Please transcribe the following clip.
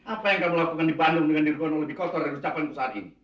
apa yang kamu lakukan di bandung dengan nirgono lebih kosor dari ucapan ku saat ini